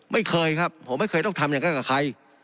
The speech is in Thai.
ไม่เคยครับผมไม่เคยต้องทำอย่างนั้นกับใคร